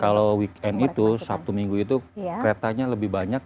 kalau weekend itu sabtu minggu itu keretanya lebih banyak